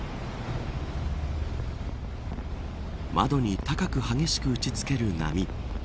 窓に高く激しく打ち付ける波。